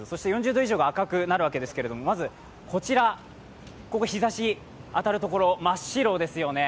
４０度以上が赤くなるわけですけれども、まずこちら、日ざしが当たるところ、真っ白ですよね。